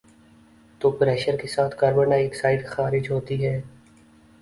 تو pressure کے ساتھ کاربن ڈائی آکسائیڈ خارج ہوتی ہے